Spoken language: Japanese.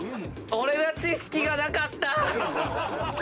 俺が知識がなかった！